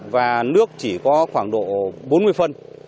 và nước chỉ có khoảng độ bốn mươi phân